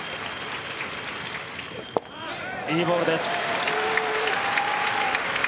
いいボールです。